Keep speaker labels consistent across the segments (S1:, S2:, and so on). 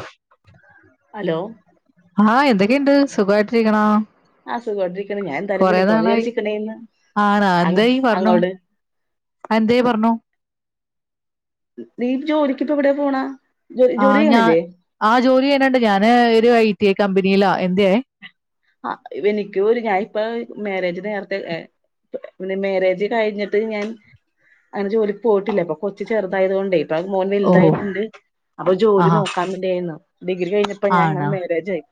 S1: [unintelligible]
S2: Hello...
S1: ങാ... ഹ്... എന്തൊക്കെയുണ്ട്... സുഖമായിട്ടിരിക്കണോ...?
S2: ആ സുഖമായിട്ടിരിക്കണ് ഞാൻ എന്തായാലും
S1: കൊറെ
S2: വിളിക്കണന്ന്
S1: നാളായി.
S2: വിചാരിച്ചിക്കണേന്ന്
S1: ആണോ...
S2: അങ്
S1: എന്തായി പറഞ്ഞോ...
S2: അങ്ങോട്
S1: എന്തേ പറഞ്ഞു...?
S2: നീ ജോലിക്കിപ്പോ എവിടെയാ പോണ..? ജോ
S1: ങാ...
S2: ജോലി
S1: ഞാ..
S2: ചെയ്യണില്ലേ
S1: ങാ.. ജോലി ചെയ്യണണ്ട് ഞാന് ഒരു ഐ ടി ഐ കമ്പനിയിലാ എന്തേ..?
S2: ങാ... എനിക്കുവൊരു.. ഞാൻ ഇപ്പ.. മാര്യേജ് നേരത്തെയ ന്നെ മാര്യേജ് കഴിഞ്ഞിട്ട് ഞാൻ.. ഞാൻ ജോലിക്ക് പോയിട്ടില്ല.. ഇപ്പൊ കൊച്ചു ചെറുതായതോണ്ടേ... അതായത് മോൻ
S1: ഓഹോ
S2: വൽതായിട്ടുണ്ട് അപ്പൊ ജോലി
S1: ആഹാ
S2: നോക്കാന്ന്ണ്ടേന്ന്. ഡിഗ്രി കഴിഞ്ഞപ്പോ ഞാൻങ്ങൾ മാരേജ് ആയി.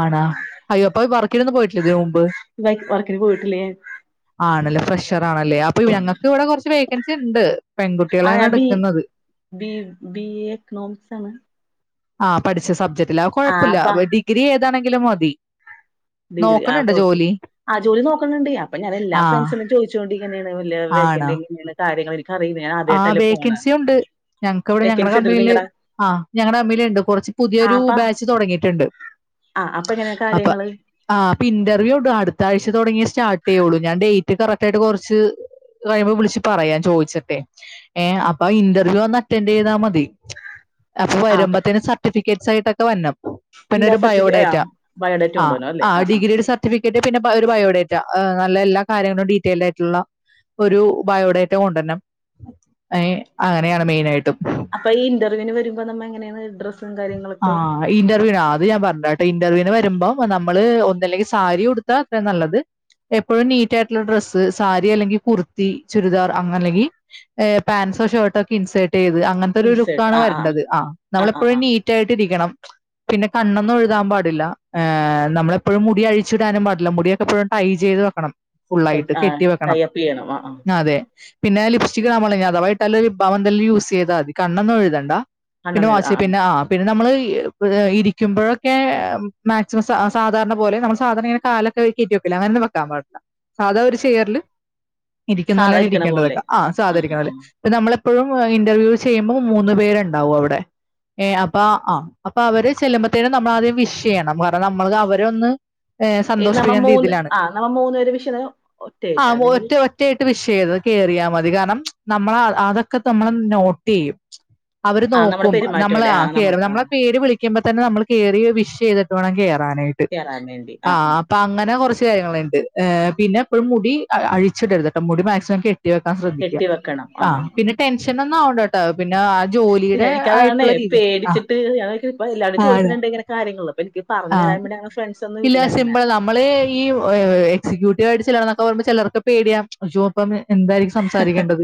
S1: ആണോ? ഓൽ വർക്കിനൊന്നും പോയിട്ടില്ലെതിന് മുമ്പ്,
S2: ആയി വർക്കിന് പോയിട്ടില്ലേ
S1: ആണല്ലേ ഫ്രഷ് ആണല്ലേ അപ്പൊ ഞങ്ങക്ക് ഇവിടെ കുറച്ച് വേക്കൻസി ഉണ്ട്.
S2: ആ
S1: പെൺകുട്ടികളെയാണ്
S2: ഞാൻ ബി
S1: എടുക്കുന്നത്.
S2: ബി. ബിഎ എക്കണോമിക്സാണ്.
S1: ആ പഠിച്ച സബ്ജക്റ്റ്ലെ ആ
S2: അപ്പ
S1: കുഴപ്പല്ല ഡിഗ്രി ഏതാണെങ്കിലും മതി.
S2: ഡിഗ്രി ആ
S1: നോക്കണുണ്ട്
S2: കൊട്ക്ക്,
S1: ജോലി
S2: ജോലി നോക്കുന്നുണ്ട്. അപ്പൊ ഞാൻ എല്ലാ
S1: ആ
S2: ഫ്രണ്ട്സിനും ചോദിച്ചോണ്ടി ങ്ങനെയാവൊ ലെ
S1: ആണോ
S2: വേക്കന്റ് എങ്ങനെയാണ് കാര്യങ്ങള് എനിക്ക് അറിയില്ല ഞാൻ
S1: ആ
S2: ആദ്യായിട്ടല്ലേ പോണ്.
S1: വേക്കൻസി ഉണ്ട് ഞങ്ങക്ക് അവിടെ ഞങ്ങളുടെ കമ്പനിയില് ആഹ് ഞങ്ങളുടെ കമ്പി നിയിലുണ്ട്, കുറച്ച്
S2: ആ
S1: പുതിയൊരു
S2: അപ്പ
S1: ബാച്ച് തുടങ്ങിയിട്ടുണ്ട്.
S2: ആ അപ്പൊ എങ്ങനെയ
S1: അപ്പൊ
S2: കാര്യങ്ങള്.
S1: ആ അപ്പൊ ഇന്റർവ്യൂ ഉണ്ട്, അടുത്താഴ്ച തുടങ്ങി സ്റ്റാർട്ട് ചെയ്യുള്ളൂ. ഞാൻ ഡേറ്റ് കറക്റ്റ് ആയിട്ട് കുറച്ച് കഴിയുമ്പോൾ വിളിച്ച് പറയാം, ചോദിച്ചിട്ടെ ഏ അപ്പൊ ഇന്റർവ്യൂ വന്ന് അറ്റൻഡ് ചെയ്താ മതി, അപ്പൊ
S2: ആ അപ്പ
S1: വരുമ്പോത്തന്നെ സർട്ടിഫിക്കറ്റ് സൈട്ടൊക്കെ വരണം. പിന്നെ
S2: എല്ലാ
S1: ഒരു
S2: സർട്ടിഫി ആ
S1: ബയോഡേറ്റ,
S2: ബയോഡേറ്റ
S1: ആ
S2: കൊണ്ടുവരണം അല്ലേ
S1: ആ ഡിഗ്രിയുടെ സർട്ടിഫിക്കറ്റ്, പിന്നെ ഒരു ബയോഡേറ്റ ആ നല്ല എല്ലാ കാര്യങ്ങളും ഡീറ്റെയിൽഡ് ആയിട്ടുള്ള ഒരു ബയോഡേറ്റ കൊണ്ടുരണം. ഏ അങ്ങനെയാണ് മെയിനായിട്ടും.
S2: അപ്പൊ ഇ ഇന്റർവ്യൂന് വരുമ്പോ നമ്മ എങ്ങനെയാണ് ഡ്രസ്
S1: ആഹ് ഇന്റർവ്യൂനോ അത് ഞാൻ പറഞ്ഞ ഇന്റർവ്യൂവിന് വരുമ്പോ നമ്മള് ഒന്നല്ലേങ്കില് സാരി ഉടുത്താ അത്രേം നല്ലത് എപ്പോഴും നീറ്റ ആയിട്ടുള്ള ഡ്രസ്സ് സാരി, അല്ലെങ്കിൽ കുർത്തി, ചുരിദാർ, അങ്ങന അല്ലെങ്കിൽ പാന്റ് ഷർട്ടൊക്കെ ഇൻസേർട്ട് ചെയ്ത് അങ്ങനത്തെ ഒരു ലുക്ക്
S2: ഇൻസേർട്ട്
S1: ആണ്
S2: ആ
S1: വരണ്ടത്. ആ
S2: ആ
S1: നമ്മളെപ്പോഴും
S2: ആ
S1: നീറ്റ് ആയിട്ടിരിക്കണം. ട്വ പിന്നെ കണ്ണൊന്നുംഴുതാൻ പാടില്ല. നമ്മെപ്പോഴും മുടി അഴിച്ചിടാനും പാടില്ല. മുടിയൊക്കെ എപ്പോഴും ടൈ ചെയ്ത് വെക്കണം. ഫുള്ളായിട്ട്
S2: ആ
S1: കെട്ടി വെക്കണം.
S2: ടൈപ്പ് ചെയ്യണം
S1: ആ അതെ പിന്നെ ലിപ്സ്റ്റിക് ഇടാൻ പാടില്ല. ഇനി അധവാ ഇട്ടാലും ലിപ്ഭാം എന്തെങ്കിലും യൂസ് ചെയ്താ മതി. കണ്ണാന്നും എഴുതണ്ട. പിന്നെ
S2: കണ്ണൊന്നുംഎഴു ആ
S1: വാച്ച്
S2: ആ
S1: പിന്നെ പിന്നെ നമ്മള്.. ഇരിക്കുമ്പോഴൊക്കെ മാക്സിമം സ സാധാരണ പോലെ നമ്മൾ സാധാരണെ ഇങ്ങനെ കാല് കാലൊക്കെക്കെയ്റ്റി വെക്കൂലെ. അങ്ങനെന്നും വെക്കാൻ പാടില്ല. സാധാ ഒരു ചെയ്യർല് ഇരിക്കുന്ന
S2: സാധാ
S1: പോലാണ്
S2: ഇരിക്കണ പോലെ
S1: ഇരിക്കേണ്ടതൊക്കെ, ആ
S2: ആ
S1: സാധാരിക്കണ
S2: ആ
S1: പോലെ. പ്പ നമ്മള് എപ്പോഴും ഇന്റർവ്യൂ ചെയ്യുമ്പോൾ മൂന്ന് പേരുണ്ടാവും അവിടെ ഏ അപ്പൊ ആ അപ്പൊ അവര് ചെല്ലുമ്പോത്തേനും നമ്മളാദ്യം വിഷ് ചെയ്യണം, കാരണം നമ്മള് അവരെയൊന്ന്. ഏ
S2: ഈ നമ്മ
S1: സന്തോഷിപ്പിക്കുന്ന
S2: മൂന്ന്
S1: രീതിയിലാണ്.
S2: ആ നമ്മ മൂന്ന് പേര് വിഷയം
S1: ആ
S2: ഒറ്റയിട്ടാ അല്ലെങ്കിൽ
S1: ഒറ്റ ഒറ്റായിട്ട് വിഷ് ചെയ്ത കേറിയാമതി കാര നമ്മള, അതൊക്കെ നമ്മളെ നോട്ട് ചെയ്യും, അവര്
S2: ആ നമ്മുടെ
S1: നോക്കും
S2: പെരുമാറ്റം
S1: നമ്മള
S2: അല്ലേ
S1: ആ
S2: നമ്മുടെ
S1: കേറുമ്പൊ,
S2: ആ
S1: നമ്മളെ പേര് വിളിക്കുമ്പോ തന്നെ നമ്മൾ കേറി വിഷ് ചെയ്തിട്ട് വേണം കേറാൻ റാനായിട്ട്,
S2: കേറാൻ വേണ്ടി
S1: ആ
S2: ആഹ് ആഹ്
S1: അപ്പൊങ്ങനെ കുറച്ച് കാര്യങ്ങളണ്ട്. പിന്നെപ്പഴും മുടി അഴിച്ചിടരുത്ട്ടോ മുടി മാക്സിമം കെട്ടി വെക്കാൻ ശ്രദ്ധിക്കുക
S2: കെട്ടി വെക്കണം
S1: ആ
S2: ആഹ് ആഹ്
S1: പിന്നെ ടെൻഷനന്നും ആവണ്ടട്ടോ, പിന്നെ ആ ജോലിയുടെ ആയി
S2: എനിക്കതാണേ പേടിച്ചിട്ട് ഞാനിപ്പോ എല്ലരടും ചോദിക്കുന്നുണ്ട് ഇങ്ങനെ കാര്യങ്ങള്. അപ്പൊ എനിക്ക് പറഞ്ഞു
S1: ആഹ
S2: തരാൻ വേണ്ടി അങ്ങനെ ഫ്രണ്ട്സ് ഒന്നും
S1: ഇല്ല
S2: അങ്ങനെ
S1: സിമ്പിൾ നമ്മള് ഈ എക്സിക്യൂട്ടീവ് ആയിട്ട് ചിലർ കാണുമ്പൊ ചിലർക്കെ പേടിയാ, അയ്യോ പ്പം എന്തായിരിക്കും സംസാരിക്കേണ്ടത്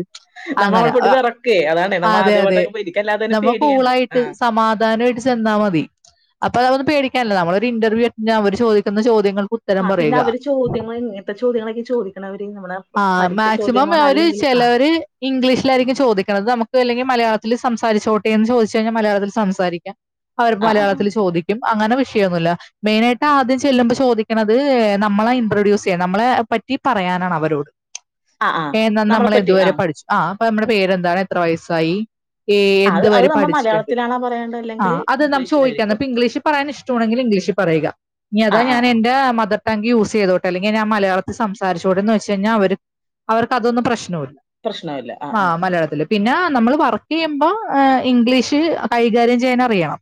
S2: നമ്മ അവിടെ
S1: അങ്ങനെ,
S2: പോയിട്ട് വിറക്കുവേ അതാണേ നമ്മ
S1: അതെ അതെ,
S2: ആദ്യമായിട്ടൊക്കെ പോയി എനിക്കല്ലാതെ തന്നെ
S1: നമ്മ
S2: പേടിയാണ്
S1: കൂളായിട്ട്
S2: ആഹ്
S1: സമാധാനമായിട്ട് ചെ ന്നാ മതി അപ്പൊ അതന്ന് പേടിക്കാനില്ല. നമ്മളൊരു ഇന്റർവ്യൂ അറ്റൻ്റ് ചെയ്യാൻ അവര് ചോദിക്കുന്ന ചോദ്യങ്ങൾ
S2: ആ പിന്നെ അവര് ചോദ്യങ്ങൾ എങ്ങനത്തെ ചോദ്യങ്ങളൊക്കെ ചോദിക്കണ അവര്
S1: ആ മാക്സിമം അവര്
S2: ആഹ്
S1: ചിലവര് ഇംഗ്ലീഷിലായിരിക്കും ചോദിക്കണത് നമുക്ക് അല്ലെങ്കിൽ മലയാള സംസാരിച്ചോട്ടെ എന്ന് ചോദിച്ചു കഴിഞ്ഞാൽ മലയാളത്തിൽ സംസാരിക്കാം. അവര്
S2: ആഹ് ആഹ്
S1: മലയാളത്തിൽ ചോദിക്കും അങ്ങനെ വിഷയൊന്നുല്ല. മെയിനായിട്ട് ആദ്യം ചെല്ലുമ്പോ ചോദിക്കണത് നമ്മളെ ഇൻട്രൊഡ്യൂസ് ചെയ്യ, നമ്മളെ പ റ്റി പറയാനാണ് അവർ
S2: ആഹ് ആഹ്
S1: ഏ
S2: നമ്മളെ
S1: നമ്മൾ
S2: പറ്റി
S1: ഇതുവരെ
S2: ആഹ്
S1: പഠിച്ചു ആ അപ്പൊ നമ്മടെ പേരെന്താണ് എത്ര വയസ്സായി ഏ
S2: അത് അത്
S1: എന്തുരെ
S2: നമ്മ
S1: പഠിച്ചിട്ടുണ്ട്
S2: മലയാളത്തിലാണോ പറയേണ്ടത് അല്ലെങ്കിൽ
S1: ആഹ അത് നാം ചോദിക്കാ
S2: ഇംഗ്ലീഷിലായിരിക്കോ
S1: ഇപ്പൊ ഇംഗ്ലീഷ് പറയാൻ ഇഷ്ടമാണെങ്കിൽ ഇംഗ്ലീഷ് പറയുക ഇനി അതാ
S2: ആഹ്
S1: ഞാൻ
S2: ആഹ് ആഹ്
S1: എന്റെ മർ തങ്ക യൂ ചെയ്തോട്ടെ അെങ്ക ഞാ മലയാളത്തി സംസരിച്ചോട്ട എന്ന് വെച്ച് കഴിഞ്ഞാ അവർക്ക് അതൊന്നും പ്രശ്നമില്ല
S2: പ്രശ്നല്ല ആഹ്
S1: ആ
S2: ആഹ
S1: മലയാളത്തിൽ പിന്നെ നമ്മൾ വർക്ക് ചെയ്യുമ്പോ ഇംഗ്ലീഷ് കൈകാര്യം ചെയ്യാൻ അറിയണം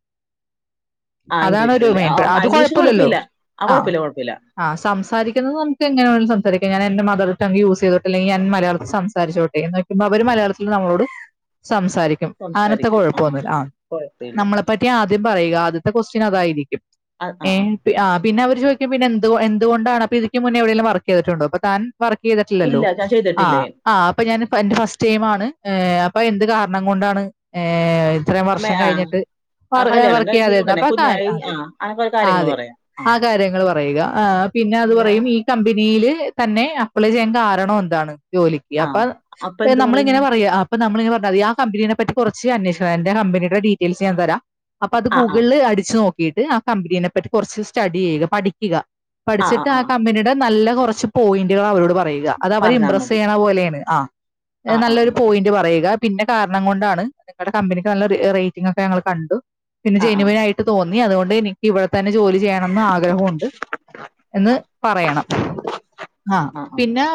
S2: ആഹ്
S1: അതാണ്
S2: ഇംഗ്ലീഷിലല്ലേ
S1: മെയിൻ
S2: ആഹ്
S1: അത്
S2: ഇംഗ്ലീഷ്
S1: കൊഴപ്പില്ലല്ലോ
S2: കുഴപ്പമില്ല ആഹ്
S1: ആ
S2: കുഴപ്പമില്ല കുഴപ്പമില്ല
S1: ആ സംസാരിക്കുന്നത് നമുക്ക്ങ്ങനെ സംസാരിക്കാം ഞാൻ എൻന്റെമ തർടങ് യൂസ് ചെയ്തിട്ടില്ലെകിൽ ഞാ മലയാളത്തി സംസാച്ചോട്ടെ എന്ന്ചോയ്ക്കുമ്പോ അവര് മലയാളത്തില് നമ്മളോട് സംസാരിക്കും അനത്തെ കുഴപ്പമൊന്നുമില്ല ആ
S2: കുഴപ്പമില്ല
S1: നമ്മളെപ്പറ്റി ആദ്യം പറയുക ആദ്യ അടുത്ത കുഎസ്ടിഒന് അതായിരിക്കും
S2: ആ ആ
S1: ഏ ആ പിന്നെ അവര് ചോ പിന്നെ എന്ത എന്തൊണ്ടാണ് അപ്പ ഇനി മേ എവിടെെങ്കും വർക്ക് ചെയതിട്ടുണ്ടോ അ താൻ വർക്ക് ചെയ്തിട്ടില്ലല്ലോ
S2: ഇല്ല ഞാൻ
S1: ആഹ
S2: ചെയ്തിട്ടില്ലേ
S1: ആ് അപ്പൊ ഞാൻ എന്റെ ഫസ്റ്റ് ടൈയിംണ് ഏ അപ്പൊ എന്ത് കാരണം കൊണ്ടാണ് ഏ ഇത്രയും
S2: അമ്മേ
S1: വർഷം
S2: ആ
S1: കഴിഞ്ഞിട്ട്
S2: ആ കല്യാണം
S1: വർക്ക്
S2: കഴിഞ്ഞ
S1: ചെയ്യാതൊ
S2: ഉടനെ
S1: അപ്പൊ ആ കാര്യ
S2: കുഞ്ഞായി ആ
S1: അതെ
S2: അങ്ങനെ കാര്യങ്ങൾ
S1: അതെ
S2: പറയാം
S1: ആ കാര്യങ്ങൾ പറയുക ആ് പിന്നെ അത് പറയും ഈ കമ്പനിയില് തന്നെ അപ്ലൈ ചെയ്യാൻ കാരണം എന്താണ് ജോലിക്ക്
S2: ആ
S1: അപ്പൊ
S2: അപ്പൊ എന്ത് പറയുന്നു
S1: നമ്മളിങ്ങെ പറയാ അപ്പൊ നമ്മളിങ്ങനെ പറാ ആ കമ്പനീനെ പറ്റി കുറച്ച് അന്വേഷിക്ക എന്റെ കമ്പനിയുടെ ഡീറ്റെയിൽസ് ഞൻരാം അപ്പൊ അത്
S2: ആ ആ
S1: ഗൂഗിളിൽ അടിച്ചു നോക്കി ആ കമ്പനനെ പറ്റി കുറച്ച് സ്റ്റഡി ചെയ്യുക പഠിക്കുക പഠിച്ചിട്ട് ആ കമ്പനിയുടെ നല്ല കുറച്ച് പോയിന്റുകൾ അവരോട്
S2: പറഞ്ഞാ
S1: ഇപ്രസ്
S2: മതി
S1: ചെയ്യുന്ന പോലെയാണ് ആ
S2: ആ ആ
S1: നല്ലൊരു പോയിന്റ് പറയ പിന്നെ കാരണം കൊണ്ടാണ് നിങ്ങളുടെ കമ്പനിക്ക് നല്ല റേറ്റിംഗ ഒക്കെ ഞങ്ങൾ കണ്ടു പിന്നെ
S2: ആ ആ ആ
S1: ജനുവൻ ആയിട്ട് തോന്നുന്നു അതുകൊണ്ട് എനിക്ക് ഇവിടെ തന്നെ ജോലി ചെയ്യണംന്ന് ആഗ്രഹമുണ്ട് എന്ന് പറയണം ആഹ
S2: ആ ആ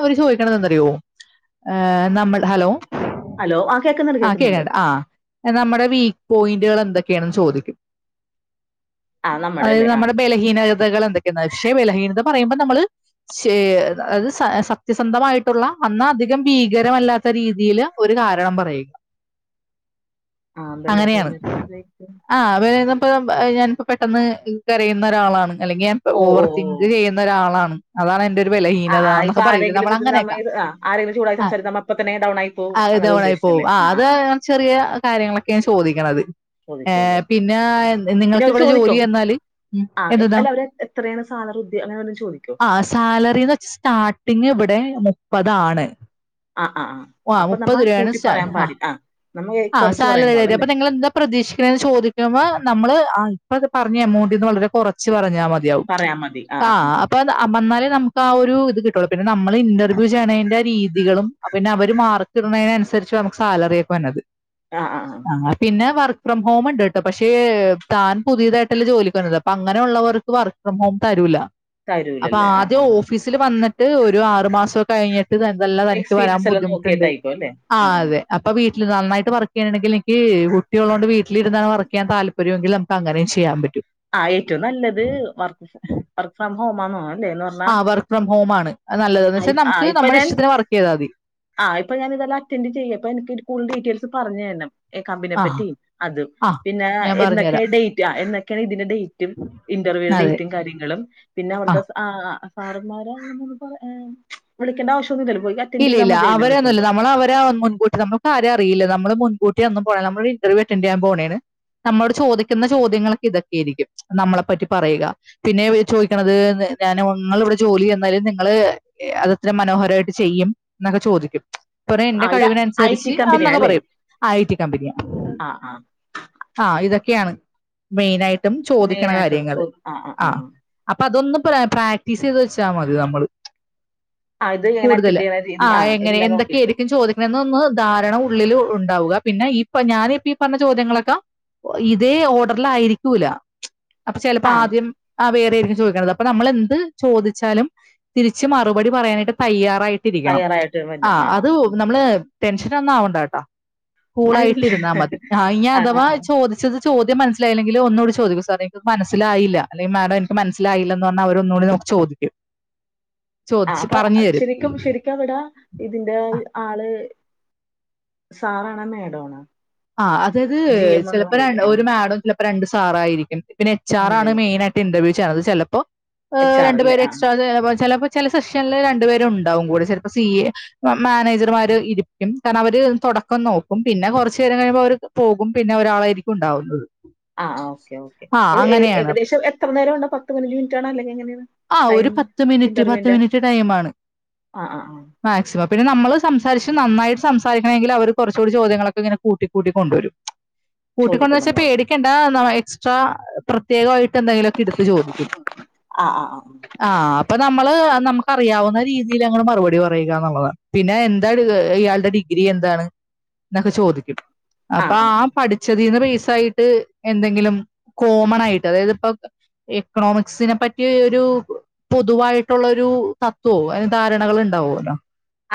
S1: അവര് ചോദിക്കണെന്ന്റിയോ നമ്മൾ ഹലോ
S2: ഹലോ ആ കേൾക്കുന്നുണ്ട്
S1: ആ
S2: കേൾക്കുന്നുണ്ട്
S1: കേക്കണ്ട ആ നമ്മുടെ വീക്ക് പോയിന്റുകൾ എന്ത എതൊക്കെയാണ ചോദിക്കും
S2: ആ
S1: അതായത്
S2: അല്ലേ ആ
S1: നമ്മുടെ ബലഹീനതകൾ എന്തൊക്കെയ പക്ഷേ ബലഹീനത പറയുമ്പോ നമ്മള്ത് സ സത്യസന്ധമായിട്ടുള്ള അന്ന അധികം ഭീകരമല്ലാത്ത രീതിയില് ഒരു കാരണം പറയുക
S2: ആ
S1: അങ്ങനെയാണ്
S2: ബലഹീനത എന്തായിരിക്കും?
S1: ആ അവ ഇപ്പൊ ഞാനിപ്പോ പെട്ടെന്ന് കരയുന്ന ഒരാളാണ് അല്ലെങ്കിൽ ഞൻ
S2: ഓ
S1: ഓവർ
S2: ഓ ഓ
S1: തിങ്ക് ചെയ്യുന്ന ഒരാളാണ് അതാണ് എന്റെറെ ഒരു വില
S2: ആ ആ ഇപ്പൊ ആരെങ്കിലും ഇ നമ്മ ആ ആരെങ്കുംൂടായി
S1: ആ
S2: സംസാരിരിക്ക നമ്മപ്പപ്പോ തന്നെ ഡൗൺ ആായി പോക
S1: അത്
S2: അനെ
S1: ഡൗണായി പോവും.
S2: ഉദ്ദേശിച്ചല്ലേ
S1: ആ അത് ചെറിയ കാര്യങ്ങളൊക്കെയൻ ചോദിക്കണത് ഏർ
S2: ചോദിക്കുള്ളൂ
S1: പിന്നെ
S2: പിന്നെ
S1: നിങ്ങൾക്ക്
S2: അവര്
S1: ഇവിടെ
S2: ചോദിക്കും
S1: ജോലി തന്നാല്
S2: ആഹ് എ
S1: എന്തതാ
S2: അല്ല അവര് എത്രയാണ് സാലറി ഉദ്യ അങ്ങനെ വല്ലതും ചോദിക്കോ?
S1: ആ സാലറിന്ന് വച്ചാ സ്റ്റാർട്ടിങ് ഇവിടെ മുപ്പതാണ്
S2: ആഹ് ആഹ് ആഹ് അപ്പൊ നമ്മ
S1: മുപ്പത് രൂപയാണ്
S2: കൂട്ടി
S1: സാ
S2: പറയാൻ
S1: ആ്
S2: പാടി ആഹ് നമ്മ
S1: ആ
S2: കൊറച്ച് പറയാൻ
S1: സാലറി
S2: പാടുള്ളൂ
S1: അ
S2: അല്ലേ?
S1: നിങ്ങ എന്താ പ്രതീക്ഷിക്കണന്ന് ചോദിക്കുമ്പോ നമ്മള് ഇപ്പ പറഞ്ഞ എമൗണ്ട്ന്ന് വളരെ കുറച്ച് പറഞ്ഞ നമു
S2: പറയാ മതി ആഹ് ആഹ് ആഹ്
S1: ആ കിുള്ളൂ പിന്നെ നമ്മള് ഇന്റർവ്യൂ ചെയ്യണതിന്റെ രീതികളും പിന്നെ അവര് മാർക്ക് ഇടുന്നതിനനുസരിച്ച് നമുക്ക് സാലറി
S2: ആഹ് ആഹ് ആഹ്
S1: പിന്നെ വ വർക്ക് ഫ്രം ഹോം ഉണ്ട് ട്ടോ പക്ഷേ താൻ പുതിയതായിട്ടല്ലേ ജോലിക്ക് വന്നത് അപ്പൊ അങ്ങനെുള്ളവർക്ക് വർക്ക് ഫ്രം ഹോം തരൂല്ല അപ്പൊ
S2: തരൂലല്ലേ ആഹ്
S1: ആദ്യം
S2: ആഹ്
S1: ഓഫീസിൽ വന്നിട്ട് ഒരു ആറു മാസം കഴിഞ്ഞിട്ട് പിന്നെ ന്തെല്ലാം തനിക്ക് വരാൻ
S2: എക്സ്പീരിയൻസ് എല്ലാം
S1: ബുദ്ധിമുട്ടുണ്ട്
S2: നോക്കിയിട്ടായിരിക്കും അല്ലേ?
S1: ആ
S2: ആഹ് ആഹ്
S1: അതെ അപ്പൊ വീട്ടി നന്നായിട്ട് വർക്ക് ചെയ്യണെങ്കിൽ എക്ക് കുട്ടികളോണ്ട് വീട്ടിലിരുന്ന വർക്ക് ചെയ്യൻ താല്പര്യമെങ്കിൽ നമുക്ക് അങ്ങനേ ചെയ്യാൻ പറ്റും
S2: ആഹ് ഏറ്റവും നല്ലത് വർക്ക് ഫ്ര വർക്ക് ഫ്രം ഹോം ആണ്
S1: ആ് വർക്ക് ഫ്രം ഹോം ആണ് പക്ഷേ ഞമ്മക് നമ്മുടെ ഇഷ്ടത്തിന് വർക്ക് ചെയ്താമതി
S2: ആ ഇപ്പ ഞാന് ഇതെല്ലാം അറ്റൻഡ് ചെയ്യ അപ്പ എനിക്ക് ഫുൾ ഡീറ്റെയിൽസ് പറഞ്ഞുതരണം കമ്പനിയെ
S1: ആ
S2: പറ്റി അത്
S1: ആ
S2: പിന്നെ
S1: ഞാൻ
S2: എന്നൊക്കെ
S1: പറഞ്ഞുതരാം.
S2: ഡേറ്റ് ആ എന്നക്കെ ഇതിന്റെ ഡേറ്റും ഇന്റർവ്യൂ
S1: അതെ.
S2: ഡേറ്റും കാര്യങ്ങളും പിന്നെ
S1: ആ.
S2: അവിടുത്തെസാ സാറന്മാരാ വിളിക്കേണ്ട ആവശ്യം
S1: ഇല്ല ഇല്ല അവരൊന്നുല്ല നമ്മളെ അവരെ മുൻകൂട്ടി നമ്മൾക്കാരെ അറിയ്ല്ല നമ്മള് മുൻ കൂട്ടി അന്നും പോണ്ട നമ്മ ഇന്റർവ്യൂ അറ്റന്റ് ചെയാൻ പോവാണ് നമ്മളോട് ചോദിക്കുന്ന ചോദ്യങ്ങളൊക്കെ ഇതൊക്കെ ആയിരിക്കും നമ്മളെ പറ്റി പറയുക പിന്നെ ചോദിക്കണുന്നത് എന്താച്ചാ ഞാങ്ങൾ ഇവിടെ ജോലി തെന്നാലും നിങ്ങള് എത്ര മനോഹരായിട്ട് ചെയ്യും എന്നൊക്കെ ചോദിക്കും കൊറേ
S2: ആ
S1: എന്റെ
S2: ഇത് ഐ ടി
S1: കഴിവിനനുസരിച്ച്
S2: കമ്പനിയാ
S1: ഒന്നൊക്കെ
S2: അല്ലേ
S1: പറയും ആ ഐ ടി കമ്പനിയാ
S2: ആ ആ
S1: ആ ഇതൊക്കെയാണ് മെയിനായിട്ട് ചോദിക്കണ കാര്യങ്ങൾ ആ അപ്പൊ അതൊന്നും പറയാ പ്രാക്ടീസ് ചെയ്ത് വെച്ചാൽ മതി നമ്മള്
S2: ആ ഇത് എങ്ങനെ
S1: കൂടുതൽ
S2: അറ്റൻഡ് ചെയ്യണ രീതി
S1: ആ എങ്ങനെ
S2: എല്ലാം നോക്കിയിട്ട്
S1: എന്തൊക്കെയായിരിക്കും ചോദിക്കണ എന്ന ഒന്ന് ധാരണ ഉള്ളിൽ ഉണ്ട് ഉണ്ടാവുക പിന്നെ ഇപ്പ ഞാനൻ ഇപ്പ ഈ പറഞ്ഞ ചോദ്യങ്ങളൊക്കെ ഇതേ ഓർഡറൽ ആയിരിക്കൂല അപ്പ ചിലപ്പോ
S2: ആ
S1: ആദ്യം അ വേ ചോദിക്കണ്ടത് അപ്പ നമ്മൾ എന്ത് ചോദിച്ചാലും തിരിച്ച് മറുപടി പറയാനായിട്ട് തയ്യാറാ ട്ടിരിക്കണം
S2: തയ്യാറായിട്ട്
S1: ആ
S2: വല്ലതും
S1: അത്
S2: ഉം.
S1: നമ്മള് ടെൻഷന ഒന്ന ആവണ്ട കേട്ടോ
S2: ആ
S1: കൂളായിട്ട്
S2: ഇല്ല.
S1: ഇരുന്നാൽ മതി ആ ഇനി
S2: ആ
S1: അഥവാ
S2: ആ
S1: ചോദിച്ചത് ചോദ്യം മനസിലായില്ലെങ്കിൽ ഒന്നൂടി ചോദിക്കും സാറേ ന്ക്ക് മനസിലായില്ല അല്ലെങ്കി മാഡം എനിക്ക് മനസായില്ല എന്ന് പറഞ്ഞാ അവര് ഒന്നൂടെ നമ്മുക്ക് ചോദിക്ക
S2: ആ,
S1: ചോദിച്ചു
S2: അപ്പൊ
S1: പറഞ്ഞു തരും
S2: ശരിക്കും ശരിക്കും അവിടെ ഇതിന്റെ ആള് സാറാ ണ മേടാ ണോ
S1: ആ അതായത് ചിലപ്പോ ര
S2: ആ
S1: ഒരു മാടോ ചിലപ്പോ രണ്ട് സാറോയിരിക്കും പിന്നെ എച്ച് ആർ ആണ്
S2: അങ്ങനെയായിരിക്കും
S1: മെയിൻ ആയിട്ട് ഇന്റർവ്യൂ ചെയ്ണ്ടത് ചിലപ്പോ ഇഹ്‌
S2: എച്ച് ആർ അല്ലേ
S1: രണ്ടുപേര്
S2: ആ
S1: എക്സ്ട്രാ ചെയ്യും ചലപ്പോ ചില സെഷന്ല് രണ്ടു പേരും ഉണ്ടാവും കൂടെ ചിലപ്പോ സി എ മാനേജർമാര് ഇരിക്കും കാരണം അവര് ഞമ്മക്ക് തുടക്കം നോക്കും പിന്നെ കുറച്ചു നേരം കഴിയുമ്പോ അവക്ക് പോകും പിന്നെ ഒരാളായിരിക്കും ഉണ്ടാവുന്നത്
S2: ആ് ഓക്കെ
S1: ആ
S2: ഓക്കെഏ
S1: അങ്ങനെയാണ് അപ്പൊ
S2: ഏകദേശം എത്ര നേരം ഉണ്ട പത്ത് മിന് റ്റ് ആണോ അല്ലെങ്കിൽ എങ്ങനെണ്
S1: ആ ഒരു പത്ത് മിനിറ്റ് പത്ത് മിനിറ്റ് ടൈമാ ണ്
S2: ആ ആ ആ
S1: മാക്സിമം പിന്നെ നമ്മള് സംസാരിച്ച് നന്നായിട്ട് സംസാരിക്കണമെങ്കിൽ അവർ കുറച്ചുകൂടി ചോദ്യങ്ങളൊക്കെ ഇങ്ങനെ കൂട്ടി കൂട്ടി കൊണ്ടുവരും കൂട്ടിക്കൊണ്ട ന്ന്
S2: ചോദിക്കും
S1: വെച്ചാ
S2: നമ്മളോട്
S1: പേടിക്കണ്ട ന്നാ എക്സ്ട്രാ പ്രത്യേകായിട്ട് എന്തെങ്കിലും ഒക്കെ എടുത്ത് ചോദിക്കും
S2: ആ ആ ആ
S1: ആ അപ്പൊ നമ്മള് നമുക്ക്റിയാവുന്ന രീതിൽ ഞമ്മൾ മറുപടി പറയുകന്നുള്ളതാണ് പിന്നെ എന്താണ് ഇയാളുടെ ഡിഗ്രി എന്താണ് എന്നൊക്കെ ചോദിക്കും അപ്പൊ ആ പഠിച്ചതീന്ന് റീസെൻ യിട്ട് എന്തെങ്കിലും കോമൺ ആയിട്ട് അതായത് പ്പോ എക്കണോമിക്സിനെ പറ്റി ഒരു പൊതുവായിട്ടുള്ള ഒരു തത്വോ അല്ല ധാരണകൾ ഉണ്ടാവുമോല്ലോ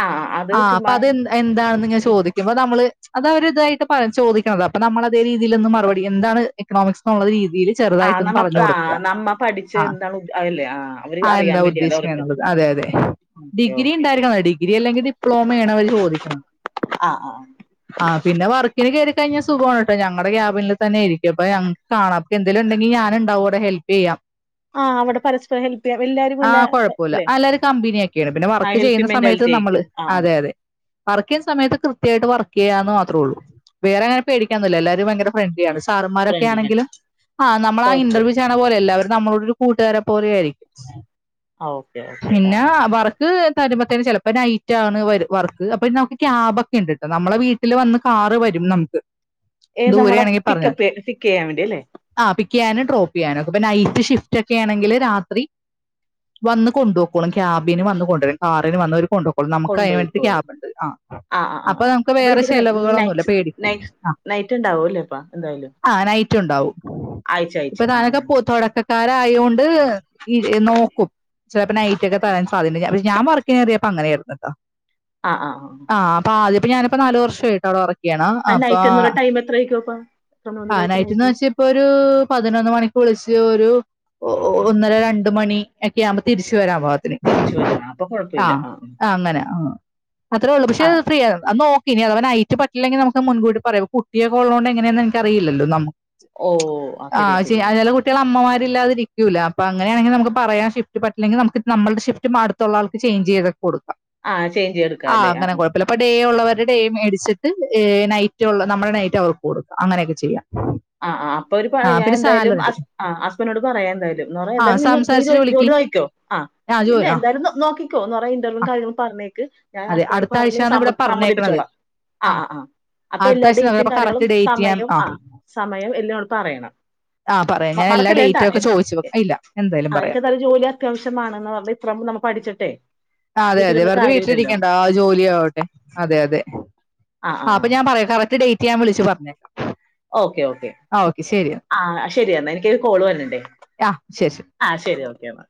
S2: ആ അത്
S1: ആ അപ്പൊ
S2: ചുമ്മാ
S1: അത് എ എന്താണെന്ന് ഞൻ
S2: ഇസ്-
S1: ചോദിക്കുമ്പ നമ്മള് അതവര് ഇതായിട്ട് പറ ചോദിക്കുന്നത് അപ്പൊ നമ്മൾ അതേ രീതിൽന്ന് മറുപടി എന്താണ് എക്കണോമിസ് എന്നുള്ള രീതി രീതിൽ
S2: ആ
S1: ചെറുതായിട്ടൊന്ന്
S2: നമ്മ
S1: പറഞ്ഞു
S2: ആ
S1: കൊടുക്കുക
S2: നമ്മ പഠിച്ച്
S1: ആ
S2: എന്താണ് ഉദ്ദ- അതല്ലേ ആ അവര്
S1: ആ എന്താ
S2: അറിയാൻ വേണ്ടിയല്ലേ
S1: ഉദ്ദേശിക്ക്ണത്
S2: അവർക്ക്
S1: എന്നുള്ളത് അതെ അതെ
S2: ഓക്കെ
S1: ഡിഗ്രി
S2: ഓക്കെ
S1: ഉണ്ടായിരിക്കണം ഡിഗ്രി അല്ലെങ്കിൽ ഡിപ്ലോമ ആണ് അവര് ചോദിക്ക്‌ണേ
S2: ആ ആ ആ
S1: ആഹ പിന്നെ വർക്കിന് കേറിക്കഴിഞ്ഞ സു സുഖമാണ് കേട്ടോ ഞങ്ങടെ ക്യാബിനിൽ തന്നൊയ്രിക്കും അപ്പൊ ഞക്ക് കാണാം അപ്പോ എന്തെലുണ്ടെങ്കിൽ ഞാന് ഉണ്ടാവൂടെ ഹെൽപ് ചെയ്യാന്
S2: ആ, അവിടെ പരസ്പരം ഹെൽപ്പ് ചെയ്യാം എല്ലാരും
S1: ആ
S2: എല്ലാ
S1: കൊഴപ്പുല്ല
S2: അല്ലേ
S1: എല്ലരും കമ്പനി യാക്കരം പിന്നെ
S2: ആ
S1: വർക്ക്
S2: ഹെൽപ്പ്
S1: ചെയ്യുന്ന സമയത്ത്
S2: മെന്റാലിറ്റി
S1: നമ്മ
S2: ആയിരിക്കും ആ
S1: അതെ അതെ വർക്ക് ചെയ്യുന്ന സമയത്ത് കൃത്യമായിട്ട് വർക്ക് ചെയ്യാന്ന് മാത്രേ ഉള്ളൂ വേറെങ്ങനെ പേടിക്കൻന്നില്ലല്ല എല്ലരും ഭയങ്കര്രണ്ട്ലിാണ്ണ്ാർമാൊക്കെ
S2: ഫ്രണ്ട്ലി
S1: ആണെങ്കും ആഹ നമ്മള ആ ഇന്റർവ്യ
S2: കുഴപ്പമില്ല
S1: ചെയണ പോലെ എല്ലാവരും നമ്മളോട് ഒരു കൂട്ടുകാരെ പോലെയ ആയിരിക്കും
S2: ആ ഓക്കെ ഓക്കെ
S1: പിന്നെ വർക്ക് വരുമ്പോത്തേെ ചിലപ്പോ നൈറ്റ് ആണ് വർക്ക് അപ്പൊ നമുക്ക് ക്യാബ് ഒക്കെ ഉണ്ട് കേട്ടോ നമ്മളെ വീട്ടിൽ വന്ന് കാറ് വരും നമുക്ക്
S2: ഏ നമ്മടെ
S1: ദൂരെയാണെങ്കിൽ
S2: പിക്ക്പ്പ് പിക്ക് ചെയ്യാൻ വേണ്ടിയല്ലേ
S1: പിക് ചെയ്യാനും ഡ്രോപ്പ ചെയ്യാനും പ്പൊ നൈറ്റ്ഷഫ്റ്റ് ഒക്കെ ആണെങ്കിൽ രാത്രി വന്ന് കൊണ്ടുപോക്കണം ക്യാബിന് വന്ന് കൊണ്ടണം കാറിന് വന്നവർ കൊണ്ട്ോണം അ നമുക്ക് കഴിയത്ത്
S2: കൊണ്ടോയിക്കോളും
S1: ക്യാബ്ണ്ട് ആ
S2: ആഹ് ആഹ്
S1: അപ്പൊ
S2: ആഹ്
S1: നമുക്ക് വേറെ ചെലവുകളൊന്നുമല്ല പേടിക്ക ആ
S2: നെറ്റ് ഉണ്ടാവല്ലേപ്പ എന്തായാലും
S1: ണ്ടാവും
S2: ആഴ്ച ആഴ്ച
S1: ഇപ്പൊ താനൊക്കെ
S2: ആഹ്
S1: തുടക്കക്കാര ആയോണ്ട് [unintelligible] കറിയപ്പ അങ്ങനെയായിരുന്നട്ടോ
S2: ആഹ ആഹ്
S1: അപ്പൊ ഞാനിപ്പോ നാലു വർഷ ആമായിട്ട് അവിടെ വറക്ക് ചെയ്യണം
S2: ആ
S1: അപ്പൊ
S2: നൈറ്റ് എന്ന് പറയുന്ന ടൈം എത്രയായിരിക്കും അപ്പ എത്ര
S1: ആ
S2: മുതലായിരിക്കും
S1: നൈറ്റ്ന്ന്
S2: നൈറ്റ്
S1: വെച്ച ഇപ്പൊ ഒരു പതിനൊന്ന് മണിക്ക് വിളിച്ച് ഒരു ഒന്നര രണ്ട മണി ഒക്കെ ആവുമ്പോ തിരിച്ച വരാം പാകത്തിന്
S2: തിരിച്ചു വരിക അപ്പൊ കൊഴപ്പമില്ല
S1: ആഹ
S2: ആഹ്
S1: ആ അങ്ങനെ ആ അത്രേ ഉള്ളു പക്ഷെ
S2: ആഹ്
S1: ഫ്രീയ [unintelligible] ഇനി അത അവന് അയറ്റ പറ്റില്ലെങ്കിൽ നമക്ക് മുൻകൂട്ടി പറയും കുട്ടിയക്കെള്ള കൊണ്ട് എങ്ങനെയന്ന എനിക്ക അറില്ലോ നമക്ക്
S2: ഓ ആഹ്
S1: ആ
S2: ശരിയാ ശരിയാ
S1: [unintelligible] കുട്ടികള അമ്മമാർ ല്ലാതിരിക്കൂ അങ്ങനെയാണെങ്ക നമുക്ക് പറയാൻ ഷി്ഫ്റ്റ് പറ്റില്ലെങ്ക നമുക്ക് നമ്മുടെ ഷിഫ്റ്റ് അടുത്തുള്ള ആൾക്ക് ചേഞ്ച് ചെയ്തെ കൊടുക്കാം
S2: ആഹ് ചേഞ്ച് ചെയ്ത്
S1: ആ്
S2: എടുക്കാല്ലേ
S1: അങ്ങനെ
S2: ആഹ്
S1: കുഴപ്പില്ല ഡേ ഉള്ള അവരുടെയിം എടിച്ചിട്ട് നൈറ്റ്ുള്ള നമ്മുടെ നൈറ്റ് അവർക്ക് കൊടുക്കുക അങ്ങനെയൊക്കെ ചെയ്യാം
S2: ആ ആ അപ്പൊ ഒരു
S1: ആ
S2: ഞാൻ
S1: പിന്നെ
S2: എന്തായാലും
S1: സാലഡ്
S2: ആ അസ്ബനോട് പറയാൻ എന്തായാലും എ പറ
S1: ആ
S2: എന്തായാലും നീ
S1: സംസാരിച്ചിട്ട് വിളിക്ക്
S2: ജോലി വായിക്കോ ആ ഇല്ല
S1: ജോലി ആ
S2: എന്തായാലും നോക്കിക്കോ എന്ന് പറഞ്ഞ ഇന്റർവ്യൂ
S1: ആ,
S2: കാര്യങ്ങളും പറഞ്ഞേക്ക് ഞാൻ
S1: അതെ
S2: അസ്നോട്
S1: അടുത്ത ആഴ്ചയാണ് ഇവിടെ
S2: പറഞ്ഞ്മ്മ
S1: പറഞ്ഞേക്കണത്
S2: സമ്മതിപ്പിച്ചോളാം ആ ആ് അപ്പൊ
S1: അടുത്ത
S2: എല്ലാ
S1: ആഴ്ച എന്ന്
S2: ഡേറ്റും
S1: അപ്പൊ
S2: കാര്യങ്ങളും
S1: കറക്റ്റ് ഡേറ്റ് ഞാൻ
S2: സമയവും ആ സമയം എല്ലാം ഉളപ്പ അറിയണം
S1: ആ പറയാം ഞാൻ എല്ലാ
S2: മറക്കല്ലേ എന്താ
S1: ഡേറ്റും
S2: എ
S1: ഒക്കെ ചോദിച്ചു വെക്കാം ഇല്ല എന്തായാലും
S2: ആർക്കെ
S1: പറയാം
S2: നല്ല ജോലി അത്യാവശ്യമാമാണ്െന്ന് പറഞ്ഞ ഇപ്പം നമ്മ പഠിച്ചിട്ടെ
S1: ആ അതെ അതെ
S2: വീട്ടിലൊന്നും
S1: വെറുതെ
S2: കാര്യമില്ലല്ലോ
S1: വീട്ടിലിരിക്കണ്ട ആ ജോലി ആവട്ടെ അതെ അതെ ആ അപ്പൊ ഞാൻപറയാകറക്റ്റ് ഡേറ്റ് ഞാൻ വിളിച്ചു പറഞ്ഞേക്കാം
S2: ഓക്കെ ഓക്കേ
S1: ആ ഓക്കെ ശരി
S2: ആ ശരിയാ എനിക്കൊരു കോള് വരണ്ടേ
S1: ആ ശരി ശരി
S2: ആഹ ശരി ഓക്കെ എന്നാ